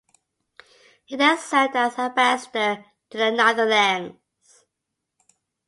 He then served as Ambassador to the Netherlands.